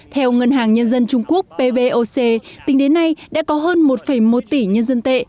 theo ngân hàng nhân dân trung quốc pboc tính đến nay đã có hơn một một tỷ nhân dân tệ